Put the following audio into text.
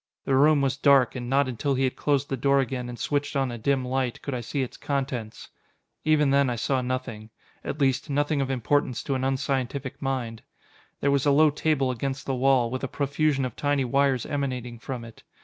The room was dark, and not until he had closed the door again and switched on a dim light, could I see its contents. Even then I saw nothing. At least, nothing of importance to an unscientific mind. There was a low table against the wall, with a profusion of tiny wires emanating from it.